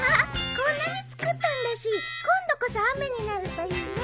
こんなに作ったんだし今度こそ雨になるといいね。